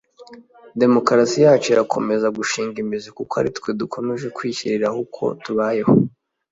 Demokarasi yacu irakomeza gushinga imizi kuko aritwe dukomeje kwishyiriraho uko tubayeho